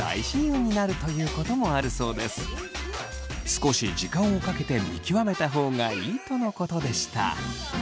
少し時間をかけて見極めた方がいいとのことでした。